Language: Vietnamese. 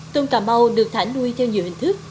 tôm cà mau được thả nuôi theo nhiều hình thức